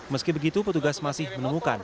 meski begitu petugas masih menemukan